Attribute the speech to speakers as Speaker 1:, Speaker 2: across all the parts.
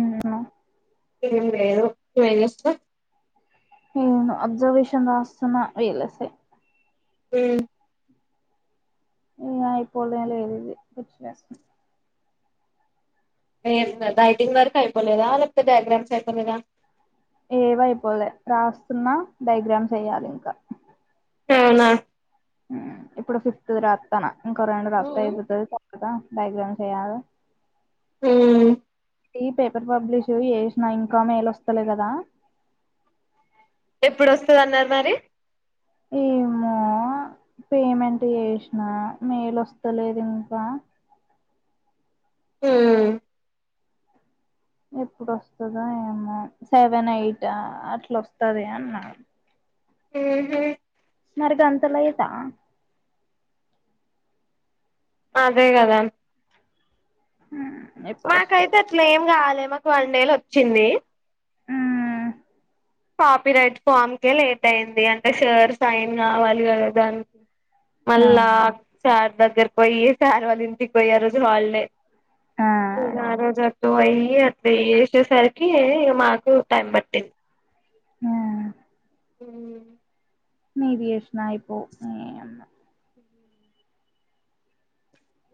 Speaker 1: ఊ నొ
Speaker 2: ఏం లేదు నువ్ ఏం జేస్తవ్
Speaker 1: ఊ అబ్జర్వేషన్ రాస్తున్నా వీల సే
Speaker 2: ఊ
Speaker 1: ఇంగైపోనే లేదిదీ పిచ్చిలేస్సుంది
Speaker 2: ఏస్తా డైటింగ్ వర్కైపోలేదా లేక్పోతే డైగ్రామ్స్ అయిపోలేదా
Speaker 1: ఏవైపోలే రాస్తున్నా డైగ్రామ్స్ ఎయ్యాలింకా
Speaker 2: టవునా
Speaker 1: హు ఇప్పుడు ఫిఫ్త్ ది రత్తన ఇంకో రెండు
Speaker 2: అవును
Speaker 1: రాత్తయిపోతది కదా డైగ్రామ్స్ ఎయ్యాలే
Speaker 2: ఉమ్
Speaker 1: టి పేపర్ పబ్లిష్ జేష్న ఇంకా మేలొస్తలే కదా
Speaker 2: ఎప్పుడోస్తదన్నరు మరి
Speaker 1: ఏమో అ పేమెంట్ జేష్నా మేలొస్తలేదు ఇంకా
Speaker 2: ఊ
Speaker 1: ఎప్పుడొస్తదో ఏమో సెవెన్ ఎయిట్ అట్లోస్తది అన్నడు
Speaker 2: మ్ హ
Speaker 1: మరి గంత లేటా
Speaker 2: అదే గదా
Speaker 1: ఎప్పుడొస్తదో
Speaker 2: మాకైతే అట్లా ఏం గాలే హెమాకు వన్ డే లొచ్చింది
Speaker 1: ఆ
Speaker 2: కాపీరైట్ ఫామ్కే లేటైంది అంటే సార్ సైన్ కావాలి గదా దాన్కి మళ్ళా
Speaker 1: ఆ
Speaker 2: సార్ దగ్గర్యోయి సార్ వాళ్ళింటిక్వోయి ఆ రోజు హాల్డే
Speaker 1: ఆ
Speaker 2: ఇగ ఆ రోజత్ వొయి అట్లా జేసేసర్కి మాకు టైం పట్టింది
Speaker 1: ఆ
Speaker 2: పోన్లే
Speaker 1: మీరు జేషిన ఐపోవు నీ యమ్మ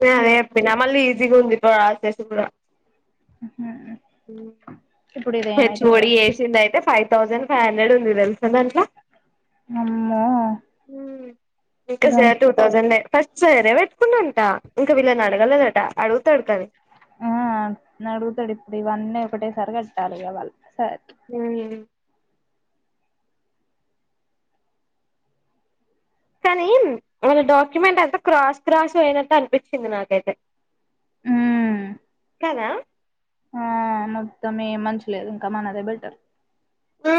Speaker 2: నేనదే
Speaker 1: ఇదో
Speaker 2: జెప్తున మళ్ళీ ఈజీగుంది ప్రాసెస్ గూడా
Speaker 1: ఉహు
Speaker 2: హెచ్ ఓ డి జేసిందైతే ఫైవ్ థౌజండ్ ఫైవ్ హండ్రెడ్ ఉంది దెల్సా దాంట్లా
Speaker 1: అమ్మో
Speaker 2: హమ్ ఇంకా
Speaker 1: గం
Speaker 2: సార్ టూ థౌసండ్ ఫస్ట్ సారే పెట్టుకుండాంట ఇంకా వీళ్ళని అడగాలేదట అడుగుతడు కది
Speaker 1: ఆ నడుగుతాడు ఇప్పుడు ఇవన్నీ ఒకటేసరి కట్టాలి కా వాళ్ళు సరే
Speaker 2: హ్మ్ కానీ వాళ్ళ డాక్యుమెంట్ అంత క్రాస్ క్రాస్ అయినటు అనిపించింది నాకైతే
Speaker 1: హమ్
Speaker 2: కదా
Speaker 1: ఆ మొత్తమే మంచి లేదు ఇంకామానాదే బెటర్
Speaker 2: ఉ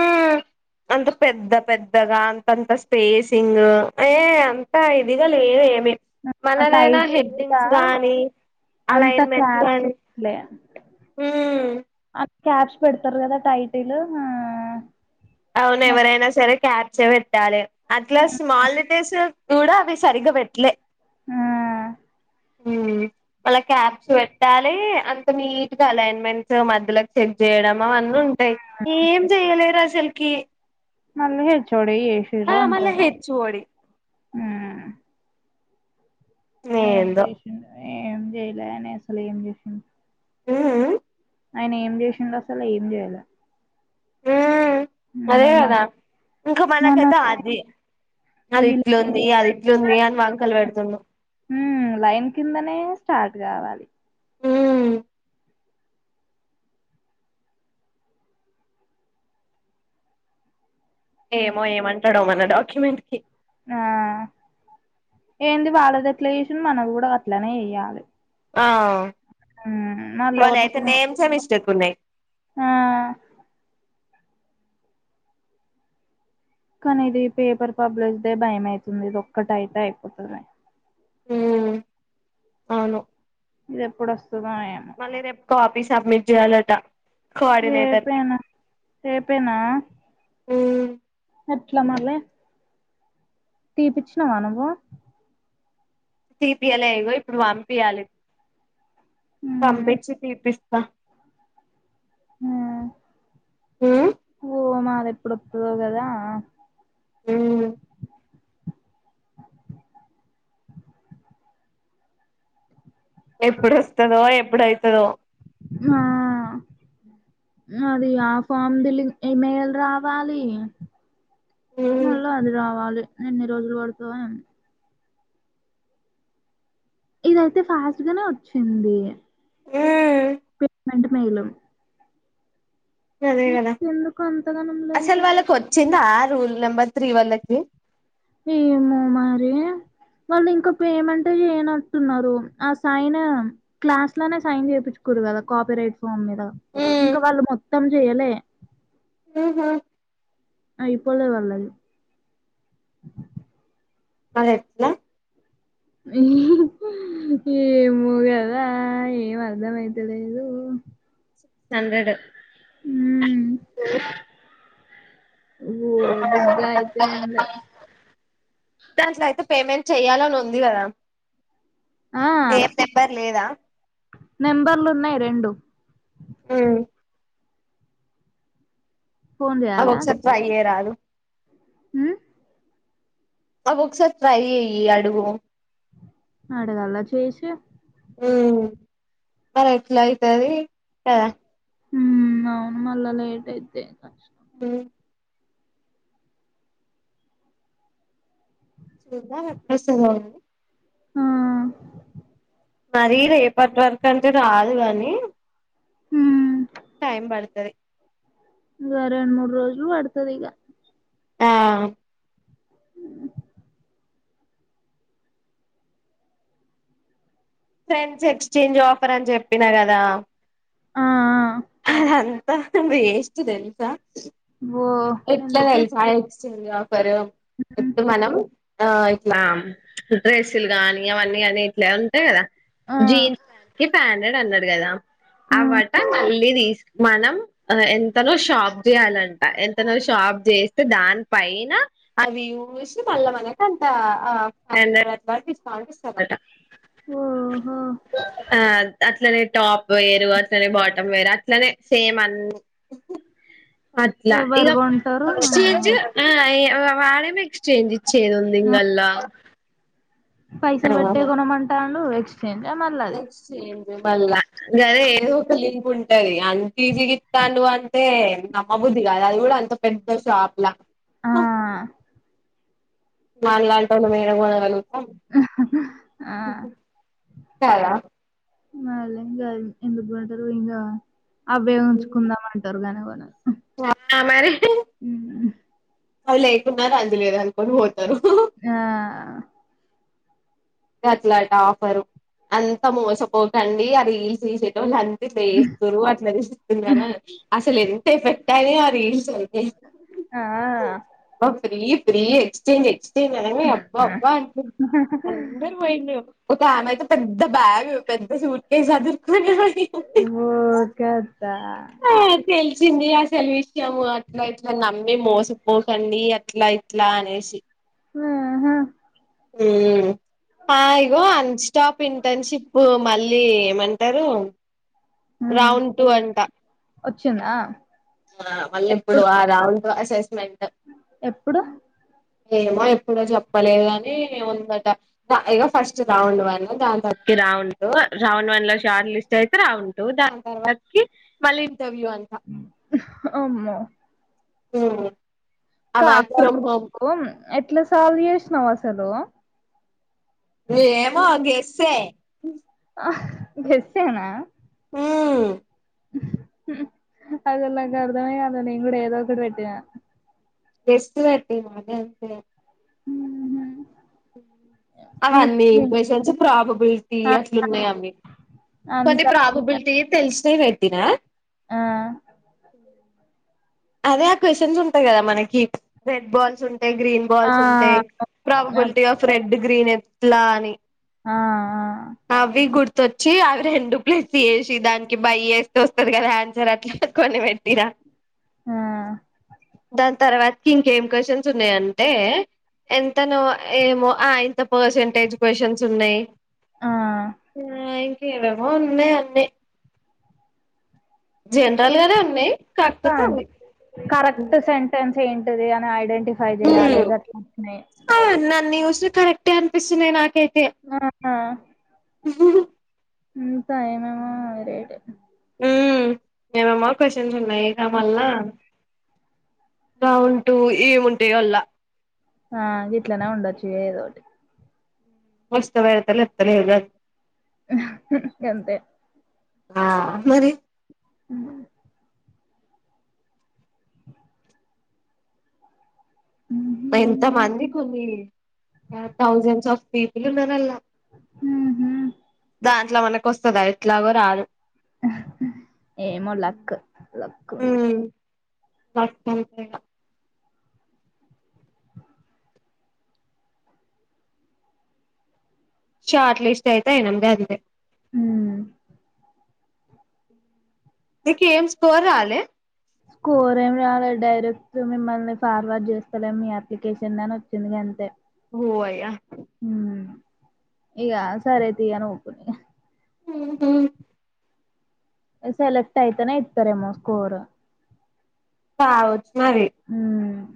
Speaker 2: అంత పెద్ద పెద్దగా అంతంత స్పేసింగ్ ఏ అంత ఇదిగా లేదు ఏమి
Speaker 1: ఆ
Speaker 2: మననైనా
Speaker 1: టైటిల్ కూడా
Speaker 2: హెడ్డింగ్స్ గానీ అలైన్మెంట్స్ గానీ
Speaker 1: అ క్యాచ్ పెడతారు కదా టైటిల్ ఆ
Speaker 2: అవును ఎవరైనా సరే క్యాప్ చే పెట్టాలి అట్లా స్మాల్లెటర్స్ కుడా అవి సరిగ్గా పెట్టలే
Speaker 1: ఆ
Speaker 2: హ్మ్ మళ్ళ క్యాబ్స్ పెట్టాలి అంత నీట్గా అలైన్మెంట్స్ మధ్యలోకి చెక్ చేయడం అవని ఉంటాయి ఏం చెయ్యలేదూ అసలకి
Speaker 1: మళ్ళీ హెచ్ ఓ డి ఎసిరు అంటారు
Speaker 2: హెచ్ఓడి
Speaker 1: ఉ ఏం
Speaker 2: ఏందో
Speaker 1: చేసిండు ఏం చేయలే అని అసలు ఏం చేసిండు
Speaker 2: ఆ మ్మ్
Speaker 1: ఆయన ఏం చేసిండు అసలు ఏం చేయలే
Speaker 2: ఉమ్ అదే
Speaker 1: మొన్న
Speaker 2: కదా ఇంకా
Speaker 1: మొన్న
Speaker 2: మనకైతే అది
Speaker 1: ఈ
Speaker 2: అది ఇట్లు ఉంది అదిట్లుంది అని వాంకలు పెడుతుండు
Speaker 1: ఉమ్ లైన్ కిందనే స్టార్ట్ కావాలి
Speaker 2: ఉమ్
Speaker 1: ఉమ్,
Speaker 2: ఏమో ఏమంటాడో మన డాక్యుమెంట్ కి
Speaker 1: ఆ ఏంది వాళ్ళది ఎట్లా చేసి మనది కూడా అట్లనే చేయ్యాలి
Speaker 2: ఆ
Speaker 1: మళ్ళ
Speaker 2: వాలిఅయితే నేమ్స్ మిస్టేక్ ఉన్నాయ్
Speaker 1: ఆ కానీ ఇది పేపర్ పబ్లిష్ దే భయం అయితుంది ఇది ఒక్కటయితే అయిపోతది
Speaker 2: హమ్ అవును
Speaker 1: ఇది ఎప్పుడు వస్తుందో ఏమో
Speaker 2: మళ్ళీ రేపు కాపీ సబ్మిట్ చేయాలట కోఆర్డినేటర్ కి
Speaker 1: రేపేనా రేపేనా ఎట్లమాలె తీపించినవా నువ్వు
Speaker 2: తీపియాలగో ఇప్పుడు పంపియాలి
Speaker 1: మ్మ్
Speaker 2: పంపించి తీపిస్తా
Speaker 1: హ
Speaker 2: ఉమ్
Speaker 1: ఓ మాది ఎప్పుడోత్తదో కదా
Speaker 2: ఉమ్ ఎప్పుడొస్తదో ఎప్పుడైతదో
Speaker 1: హా అది ఆ ఫామ్ దిలిం ఈమెయిల్ రావాలి
Speaker 2: మ్మ్
Speaker 1: ముళ్ళు అది రావాలి ఎన్ని రోజులు పడతాడో ఏంటో ఇదయితే ఫాస్ట్ గానే వచ్చింది
Speaker 2: ఉమ్
Speaker 1: పేమెట్ మేలు
Speaker 2: అదే కదా
Speaker 1: ఎందుకు అంతగనం లేట్
Speaker 2: అసలు వాళ్ళకు వచ్చింద రూల్ నంబర్ త్రీ వాళ్ళకి
Speaker 1: ఏమో మరి వాళ్ళు ఇంక పేమెంట్ చేయనట్టున్నారు ఆ సైన్ క్లాస్ లోనే సైన్ చేపిచుకో రు కదా కాపీరైట్ ఫామ్ మీద
Speaker 2: మ్మ్
Speaker 1: ఇంకా వాళ్ళు మొత్తం చెయలే
Speaker 2: ఉహు
Speaker 1: ఐపోలే వాళ్ళది
Speaker 2: మరి ఎట్ల
Speaker 1: ఏమో కదా ఏం అర్ధం ఐతలేదు
Speaker 2: సల్లేడు
Speaker 1: మ్మ్ అబో బుగ్గ అయితే ఏం లే
Speaker 2: దాంట్ల అయితే పేమెంట్ చెయాలని ఉంది కదా
Speaker 1: ఆ
Speaker 2: ఏం నెంబర్ లేదా
Speaker 1: నెంబర్లు ఉన్నాయి రెండు
Speaker 2: ఉమ్
Speaker 1: ఫోన్
Speaker 2: అ ఒకసారి ట్రై చేయరాదు
Speaker 1: ఉ
Speaker 2: అవి ఒకసారి ట్రై చేయి అడుగు
Speaker 1: అడగాల చేసి
Speaker 2: ఉమ్ మరి ఎట్లా ఐతది కదా
Speaker 1: ఊ అవును మల్ల లేేట్ అయితే కష్టం
Speaker 2: ఊమ్ చూదాం ఎపుడు అస్తదో అండి
Speaker 1: ఆ
Speaker 2: మరి రేపటి వరకు అంటే రాదు కానీ
Speaker 1: ఊ
Speaker 2: పడుతది
Speaker 1: ఇగా రెండు మూడు రోజుల్ నువ్ వడతది ఇగ
Speaker 2: ఆ
Speaker 1: ఊ
Speaker 2: ఫ్రెండ్స్ ఎక్స్చేంజ్ ఆఫర్ అని చెప్పినా కదా
Speaker 1: ఆ ఆ
Speaker 2: అదంతా వేస్ట్ తెలుసా
Speaker 1: ఓ
Speaker 2: ఎట్లా
Speaker 1: ఎందుకు
Speaker 2: తెలుసా ఎక్స్చేంజ్ ఆఫర్
Speaker 1: మ్మ్
Speaker 2: ఇప్పుడు మనం ఆ ఇట్లా డ్రెస్సులు గానీ అవన్నీ అని ఇట్లా ఉంటాయి కదా
Speaker 1: ఆ
Speaker 2: జీన్స్ కి ఫై హండ్రెడ్ అన్నడు కదా
Speaker 1: ఆ
Speaker 2: అవాట మళ్ళీ తీసు మనం ఎంతనో షాప్ చేయాలంట ఎన్ అతను షాప్ చేస్తే దాని పైన అవి చూసి మళ్ళ మనకు అంట ఆ [unintelligible] ఇస్తా అంటే ఇస్తారట
Speaker 1: ఓహో
Speaker 2: అట్లనే టాప్ వేరు అట్లనే బాటమ్ వేరు అట్లనే సేమ్ అన్ని అట్లా ఇక
Speaker 1: ఎవరు కొంటారు
Speaker 2: ఎక్స్చేంజ
Speaker 1: ఆ,
Speaker 2: ఆ ఇగ వాడేమో ఎక్స్చేజ్
Speaker 1: ఆ
Speaker 2: చ్చేదుందిగలా
Speaker 1: పైసలు పట్టే కొనమంటండు ఎక్స్
Speaker 2: ఎక్స్చేంజి మల్ల గాదె ఏందో ఒక లింక్ ఉం తది అంత ఈజీగా ఇత్తలు అంటే నమ్మబుద్ధి కాదు అది కూడా అంత పెద్ద షాప్ లా
Speaker 1: ఆ
Speaker 2: అ మనలాంటోలు మేడం కూడా అనలు
Speaker 1: ఆ
Speaker 2: కదా
Speaker 1: మళ్ళీ ఇంకా ఎందుకు అంటారు ఇంకా అవే ఉంచుకుందాం అంటారు కానీ కొనరు
Speaker 2: ఆ మరి
Speaker 1: ఉ
Speaker 2: అవి లేకున్నా రంజి లేదు అనుకోని పోతారు
Speaker 1: ఆ
Speaker 2: అట్లా టపర్ అంతా మోసపోకండి ఆ రీల్స్ తీసేటో లం ఇట్ల చేస్తే అట్ల చెస్తున్నారు అసలు ఎంత ఎఫెక్ట్ అని అ చౌపి
Speaker 1: ఆ
Speaker 2: మా ఫ్రీ ఫ్రీ ఎక్సంజ్ ఎ అంటే మనమే అబ్బా అబ్బా అంట పోయిండు ఒకామైతే పెద్దబ్యాగ్ పె ఉ సూట్కేస్ సాదురు కొని ని
Speaker 1: ఓ కథ
Speaker 2: తెలివి వచ్చంది అసలు విషయము అట్లా ఇట్లా నమ్మి మోసపోకండి అట్లా ఇ ఇట్ల అనేషి
Speaker 1: హూహు
Speaker 2: ఊమ్ ఆ ఇగో అన్ స్టాప్ ఇంటర్న్షిప్ మళ్ళీ ఏమంటరు రౌంటూ అంట
Speaker 1: ఒచ్చిందా
Speaker 2: ఆ మళ్ళీప్పుడు ఆ రాడ్ అసిస్మెంట్
Speaker 1: ఎప్పుడు
Speaker 2: ఏమో ఎప్పుడో చెప్పలేదుకని ఉందట ఇక ఫస్ట్ కౌను రౌండ్ వని దాని త ఇరౌంటు రౌండ్ వన్ లో షార్ట్ లిస్ట్ అయితే రావుంటు దాని తర్వాత కి మల్లి ఇంటర్వ్యూ అంట
Speaker 1: ఉహ్ ఆమ్మో
Speaker 2: ఉ
Speaker 1: కాద్రా నువ్వు ఎట్లా సాల్వ్ చేసనవసలు
Speaker 2: ఏమో గెస్స్హే
Speaker 1: హ గెస్స్ చేయన
Speaker 2: హూ
Speaker 1: అసల్ నాక్ అర్ధమే కాలే నేను కూడా ఏదోఒకటి పెట్టిన
Speaker 2: గెస్ట్ పెట్టిన అది అంతే
Speaker 1: మ్ హు
Speaker 2: అవన్నీ ఇంప్రేషన్స్ ప్రాబబిలిటీ
Speaker 1: ఆ
Speaker 2: అట్లున్నాయి అవి కొన్ని
Speaker 1: అంత
Speaker 2: ప్రాబబిలిటీయి తెలిసిన వె ఇదా
Speaker 1: ఆ
Speaker 2: అదే ఆ క్వశ్చన్స్ ఉంటాయి కదా మనకి రెడ్ బాల్స్ ఉంటయ్ గ్రీన్
Speaker 1: ఆ
Speaker 2: బాల్స్ ఉంటాయి ప్రాబబిలిటీ
Speaker 1: అవి
Speaker 2: ఆఫ్ రెడ్ గ్రీన్ ఎట్లా అని
Speaker 1: ఆ
Speaker 2: అవి గుర్ తొచ్చి అవి రెండు ప్లేస్ చేేసి దానికి బై చేస్తే వస్తది కదా ఆన్సర్ అట్లా కొన్ని పెట్టిన
Speaker 1: ఆ
Speaker 2: దాని తర్వాతకి ఇంకేం క్వశ్చన్స్ ఉన్నాయంటే ఎంతనో ఏమొ ఆయింత పర్సంటేజ్ క్వశ్చన్స్ ఉన్నాయి
Speaker 1: ఆ
Speaker 2: ఆ ఇంకేవేవో ఉన్నయవ్వే జనరల్ గనే ఉ
Speaker 1: ఫుల్ ఫామ్ కరెక్ట్ సెంటెన్స్ ఏంటిది అని ఐడెంటిఫై చెయాలి
Speaker 2: ఉమ్
Speaker 1: గట్లుండే
Speaker 2: ష్ కరెక్టే అనిపిస్తున్నాయి నాకే
Speaker 1: మరన్నా ఇంకా ఏమేమొ రడ్
Speaker 2: మ్ ఏమేమో క్వశ్చన్స్ ఉన్నాయి కా మల్లా రౌండ్ టు ఏముంటయల్ళ
Speaker 1: ఆ గీట్లనే ఉండొచ్చు ఏదోటి
Speaker 2: వస్తె పెడుతా లేకపోతే లేదు గం
Speaker 1: గంతే
Speaker 2: ఆ మరి
Speaker 1: మ్
Speaker 2: ఎంత మంది కొన్ని థౌజండ్స్ ఆఫ్ పీపుల్ ఉన్నరల్లా
Speaker 1: హు హు
Speaker 2: దాంట్ల మనకొస్తదా ఎట్లాగో రాదు
Speaker 1: ఆహ్ ఏమో లక్ లక్కుంటది.
Speaker 2: నాకు ఇంతేంగ షార్ట్ లిస్టైతైనందదిదే
Speaker 1: హ్మ్
Speaker 2: నీకేం స్కోర్ రాలే
Speaker 1: స్కోరేం రాలే డైరెక్ట్ మిమ్మల్ని ఫార్వర్డ్ జేస్తలేం మీ అప్లికేషన్నని ఒచ్చిందంతే
Speaker 2: ఓయ్యా
Speaker 1: ఇగా సరే తియ్యని ఉకున్నిగా
Speaker 2: ఉహు
Speaker 1: సెలెక్టైతనే ఇత్తరేమో స్కోర్
Speaker 2: కావచ్చు మరి
Speaker 1: ఉమ్